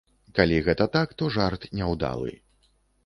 Калі гэта так, то жарт няўдалы.